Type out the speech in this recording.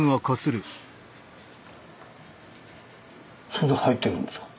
それで入ってるんですか？